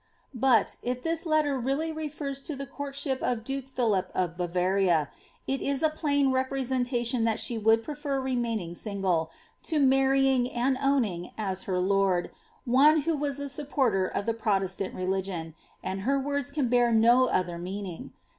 '' But, if this letter really refers to ihe courtship of duke Philip of Bavaria, it is a plain representation that she would prefer remaining single, to marrying and owning, as her lord, one who was a supporter of the Protestant religion ; and her words can bear no other meaninf.